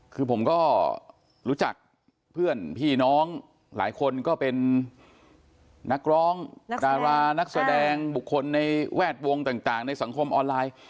คือผมก็รู้จักเพื่อนพี่น้องหลายคนก็เป็นนักร้องดารานักแสดงบุคคลในแวดวงต่างในสังคมออนไลน์